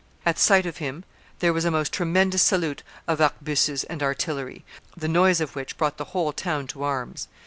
At sight of him there was a most tremendous salute of arquebuses and artillery, the noise of which brought the whole town to arms.